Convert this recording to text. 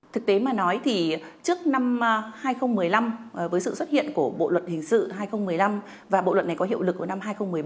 thực tế mà nói thì trước năm hai nghìn một mươi năm với sự xuất hiện của bộ luật hình sự hai nghìn một mươi năm và bộ luật này có hiệu lực vào năm hai nghìn một mươi bảy